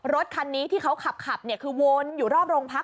รถคันนี้ที่เขาขับคือวนอยู่รอบโรงพัก